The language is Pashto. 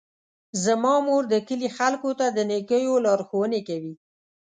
زما مور د کلي خلکو ته د نیکیو لارښوونې کوي.